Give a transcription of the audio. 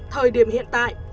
thời điểm hiện tại